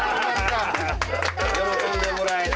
喜んでもらえて。